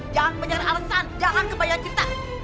jangan kebanyakan alasan jangan kebanyakan cerita